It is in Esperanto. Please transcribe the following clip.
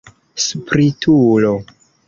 Spritulo!